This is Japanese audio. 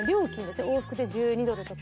往復で１２ドルとか。